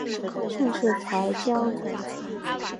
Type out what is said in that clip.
盛世才还将其子恭本德吉特推上汗位。